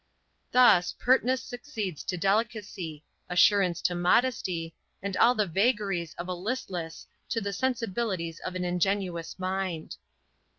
Thus, pertness succeeds to delicacy, assurance to modesty, and all the vagaries of a listless to the sensibilities of an ingenuous mind.